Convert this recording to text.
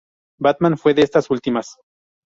Batman fue de estas últimas.